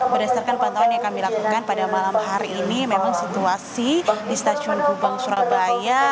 berdasarkan pantauan yang kami lakukan pada malam hari ini memang situasi di stasiun gubeng surabaya